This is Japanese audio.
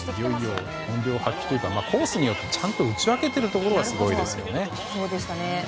本領発揮というかコースによってちゃんと打ち分けているところがすごいですよね。